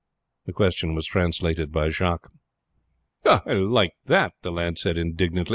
The question was translated by Jacques. "I like that," the lad said indignantly.